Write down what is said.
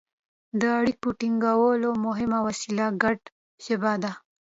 د اړیکو ټینګولو مهمه وسیله ګډه ژبه وه